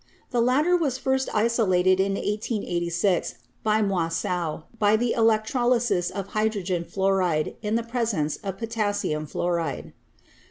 The lat ter was first isolated in 1886 by Moissau by the electrolysis of hydrogen fluoride in the presence of potassium fluoride.